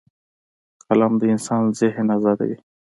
قلم د انسان ذهن ازادوي